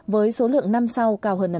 với số lượng năm sau